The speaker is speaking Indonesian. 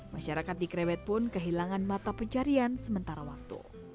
masyarakat di krewet pun kehilangan mata pencarian sementara waktu